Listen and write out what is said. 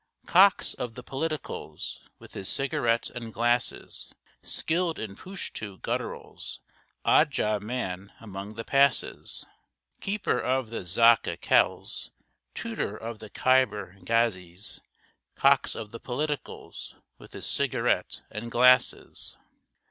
Cox of the Politicals, With his cigarette and glasses, Skilled in Pushtoo gutturals, Odd job man among the Passes, Keeper of the Zakka Khels, Tutor of the Khaiber Ghazis, Cox of the Politicals, With his cigarette and glasses.